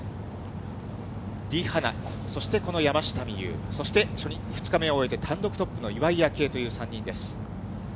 リ・ハナ、そしてこの山下美夢有、そして２日目を終えて単独トップの岩井明愛という３人です。